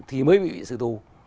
thì mới bị xử thù